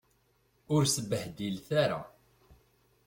Ur sbehdilet ara.